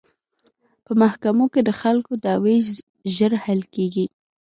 په محکمو کې د خلکو دعوې ژر حل کیږي.